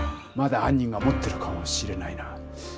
まだはん人が持ってるかもしれないな。